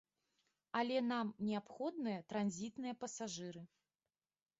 Але нам неабходныя транзітныя пасажыры.